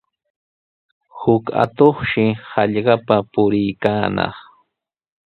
Huk atuqshi hallqapa puriykaanaq.